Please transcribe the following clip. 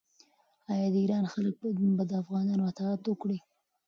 آیا د ایران خلک به د افغانانو اطاعت وکړي؟